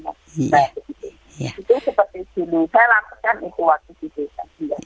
saya lakukan itu waktu di desa